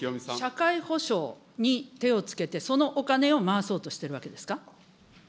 社会保障に手をつけて、そのお金を回そうとしてるわけですか。